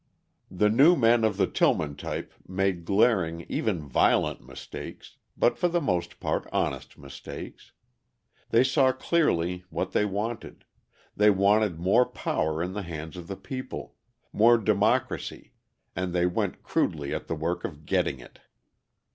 The new men of the Tillman type made glaring, even violent mistakes, but for the most part honest mistakes; they saw clearly what they wanted: they wanted more power in the hands of the people, more democracy, and they went crudely at the work of getting it.